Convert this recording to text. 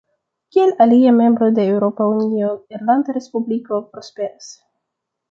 Kiel aliaj membroj de Eŭropa Unio, Irlanda Respubliko prosperas.